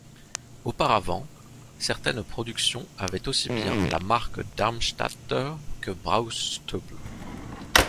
Auparavant, certaines productions avaient aussi bien la marque Darmstädter que Braustüb'l.